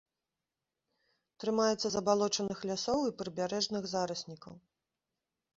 Трымаецца забалочаных лясоў і прыбярэжных зараснікаў.